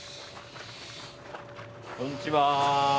こんにちは。